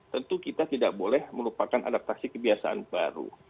tentu kita tidak boleh melupakan adaptasi kebiasaan baru